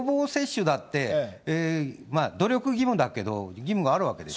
予防接種だって、努力義務だけど、義務があるわけですよね。